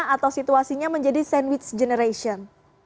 atau situasinya menjadi sandwich generation